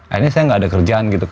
akhirnya saya nggak ada kerjaan gitu